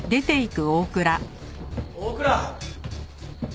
大倉！